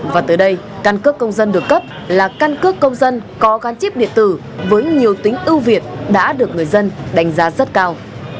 và tới đây căn cước công dân được cấp là căn cước công dân có gắn chip điện tử với nhiều tính ưu việt đã được người dân đánh giá rất cao